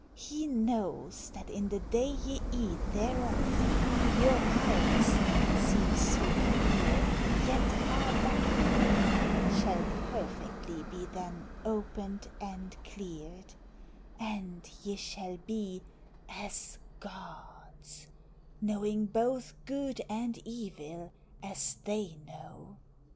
He knows that in the day Ye eat thereof, your eyes, that seem so clear, Yet are but dim, shall perfectly be then Opened and cleared, and ye shall be as gods, Knowing both good and evil, as they know.